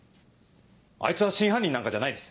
あいつは真犯人なんかじゃないです。